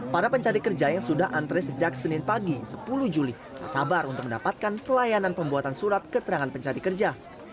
para pencari kerja yang sudah antre sejak senin pagi sepuluh juli tak sabar untuk mendapatkan pelayanan pembuatan surat keterangan pencari kerja